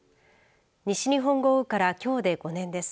西日本豪雨からきょうで５年です。